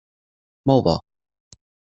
Molt bo.